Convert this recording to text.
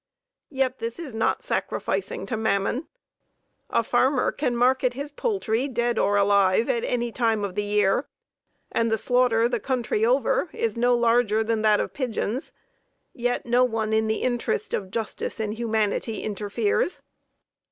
Yet this is not "sacrificing to Mammon." A farmer can market his poultry dead or alive at any time of the year, and the slaughter, the country over, is larger than that of pigeons, yet no one in the interest of "justice and humanity" interferes.